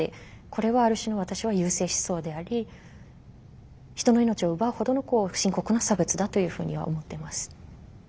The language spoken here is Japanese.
これはある種の私は優生思想であり人の命を奪うほどの深刻な差別だというふうには思ってます。